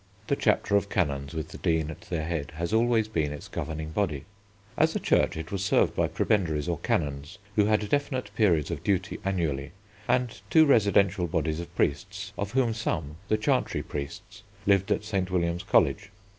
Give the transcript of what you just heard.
The Chapter of canons with the Dean at their head has always been its Governing Body. As a church it was served by prebendaries or canons, who had definite periods of duty annually, and two residential bodies of priests, of whom some, the chantry priests, lived at St. William's College.